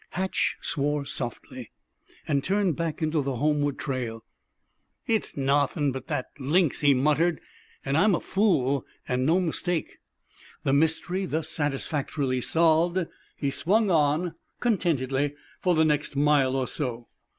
Hatch swore softly and turned back into the homeward trail. "It's nawthin' but that lynx!" he muttered. "An' I'm a fool, an' no mistake!" The mystery thus satisfactorily solved, he swung on contentedly for the next mile or so.